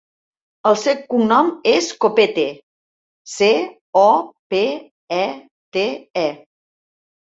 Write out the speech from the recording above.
El seu cognom és Copete: ce, o, pe, e, te, e.